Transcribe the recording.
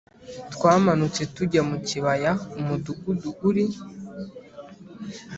twamanutse tujya mu kibaya umudugudu uri.